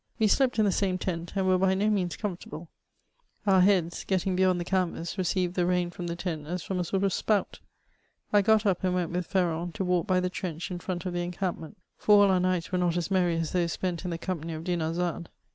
We slept in the same tent, and were by no means comfortable ; our heads, g^ttmg beyond the canvas, reodred the rain from the tent as from a sort of spout ; I got up and went with Feiroa to walk by the trench in front of the encampment ; for all our nights were not as merry as those spent in the company of Dinarzade.